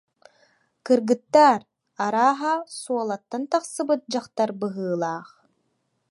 «Кыргыттар, арааһа Суолаттан тахсыбыт дьахтар быһыылаах